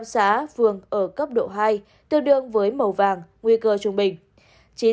ba mươi năm xá phường ở cấp độ hai tương đương với màu vàng nguy cơ trung bình